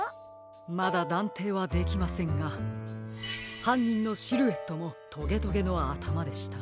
まだだんていはできませんがはんにんのシルエットもトゲトゲのあたまでした。